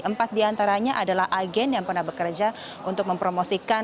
empat diantaranya adalah agen yang pernah bekerja untuk mempromosikan